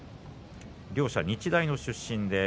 両者、日大の出身です。